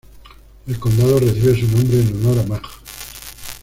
El condado recibe su nombre en honor a Maj.